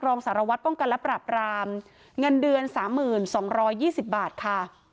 รองสารวัตรป้องกันและปราบรามเงินเดือน๓๒๒๐บาทค่ะ